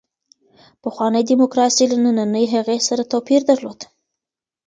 پخوانۍ دیموکراسي له نننۍ هغې سره توپیر درلود.